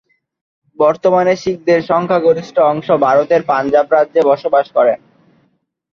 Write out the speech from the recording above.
বর্তমানে শিখদের সংখ্যাগরিষ্ঠ অংশ ভারতের পাঞ্জাব রাজ্যে বসবাস করেন।